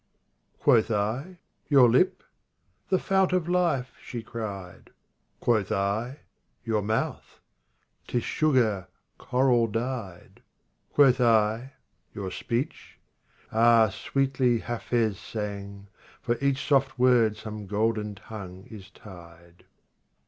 14. Quoth I, '' Your lip ?"'' The fount of life !" she cried. Quoth I, " Your mouth ?"*' 'Tis sugar, coral dyed ;" Quoth I, " Your speech ?"" Ah, sweetly Hafiz sang; For each soft word some golden tongue is tied."